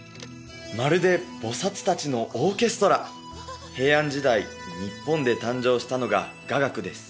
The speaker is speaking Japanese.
まるで菩薩達のオーケストラ平安時代日本で誕生したのが雅楽です